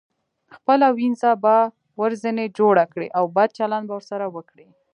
خپله وينځه به ورځنې جوړه کړئ او بد چلند به ورسره وکړئ.